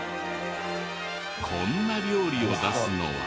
こんな料理を出すのは。